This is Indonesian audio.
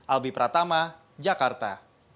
albi pratama jakarta